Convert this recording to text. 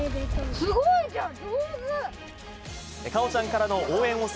すごいじゃん、上手！